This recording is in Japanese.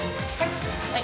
はい。